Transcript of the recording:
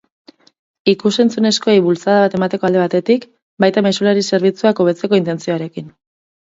Ikus-entzunezkoei bultzada bat emateko alde batetik, baita mezulari zerbitzuak hobetzeko intentzioarekin!